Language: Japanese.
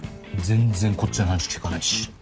全然こっちの話聞かないし。